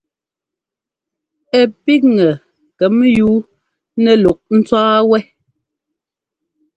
Ɛ píkŋɛ kɛm yú nɛ́ luk ńtwá wɛ́.